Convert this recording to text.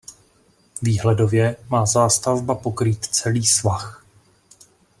Výhledově má zástavba pokrýt celý svah.